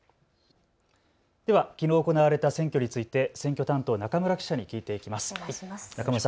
ではきのう行われた選挙について選挙担当、中村記者に聞いていきます。